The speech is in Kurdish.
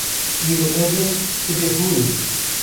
Îro ez im sibê hûn in